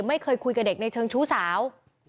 ไม่เคยคุยกับเด็กในเชิงชู้สาว